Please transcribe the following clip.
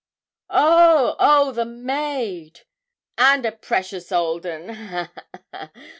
'Oh, oh, the maid! and a precious old 'un ha, ha, ha!